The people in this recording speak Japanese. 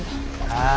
ああ。